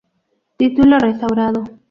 Título Restaurado.